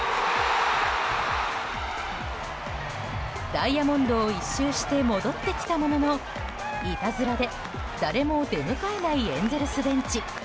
ダイヤモンドを１周して戻ってきたもののいたずらで誰も出迎えないエンゼルスベンチ。